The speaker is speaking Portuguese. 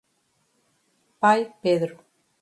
Pai Pedro